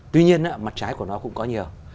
tuy nhiên mặt trái của nó cũng có nhiều